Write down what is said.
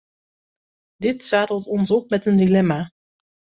Dit zadelt ons op met een dilemma.